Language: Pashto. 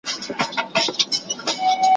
نه به بیا هغه ارغوان راسي ,